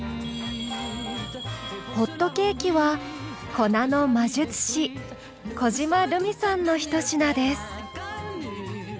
ホットケーキは粉の魔術師小嶋ルミさんのひと品です。